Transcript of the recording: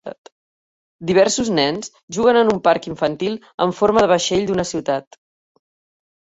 Diversos nens juguen en un parc infantil amb forma de vaixell d'una ciutat